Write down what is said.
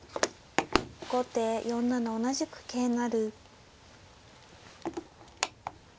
後手４七同じく桂成。